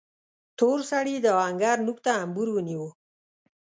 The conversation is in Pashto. تور سړي د آهنګر نوک ته امبور ونيو.